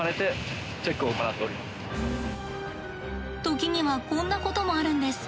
時にはこんなこともあるんです。